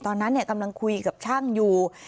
ตอนนั้นกำลังคุยกับช่างอยู่